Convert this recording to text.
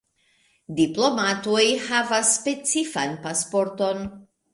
Diplomatoj havas specifan pasporton.